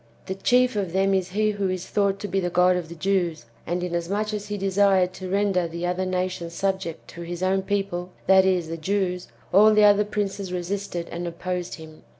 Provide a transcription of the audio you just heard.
The chief of them is he who is thought to be the God of the Jews ; and inasmuch as he desired to render the other nations sub ject to his own people, that is, the Jews, all the other princes resisted and opposed him.